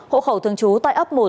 hộ khẩu thường trú tại ấp một